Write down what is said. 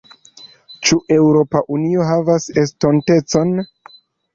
Ĉu Eŭropa Unio havas estontecon?